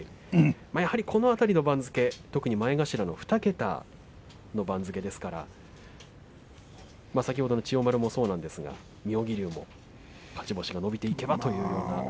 この辺りの番付、特に前頭の２桁の番付ですから先ほどの千代丸もそうなんですが妙義龍も勝ち星が伸びていけばという。